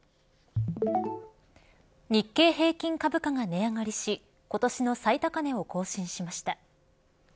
日経平均株価が値上がりし今年の最高値を更新しました。